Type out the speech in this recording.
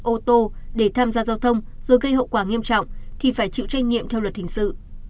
ô tô để tham gia giao thông rồi gây hậu quả nghiêm trọng thì phải chịu trách nhiệm theo luật hình sự